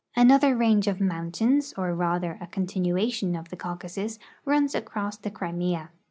Another range of mountains, or rather a continuation of tlie Caucasus, runs across the Crimea.